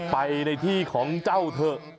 ไปในที่ของเจ้าเถอะ